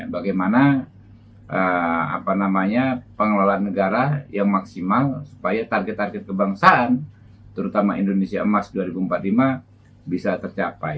bagaimana pengelolaan negara yang maksimal supaya target target kebangsaan terutama indonesia emas dua ribu empat puluh lima bisa tercapai